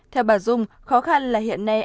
theo bà dung khó khăn là hiện nay